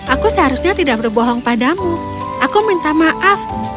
aku seharusnya tidak berbohong padamu aku minta maaf